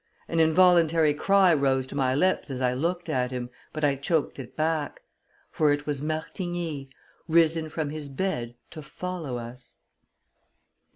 An involuntary cry rose to my lips as I looked at him, but I choked it back. For it was Martigny, risen from his bed to follow us!